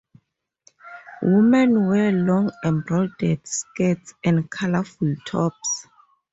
Women wear long embroidered skirts and colorful tops.